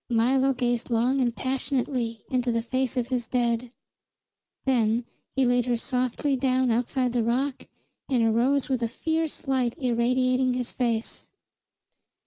Milo gazed long and passionately into the face of his dead; then he laid her softly down outside the rock and arose with a fierce light irradiating his face.